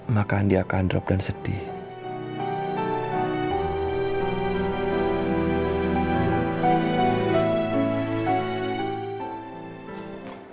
maka dia akan drop dan sedih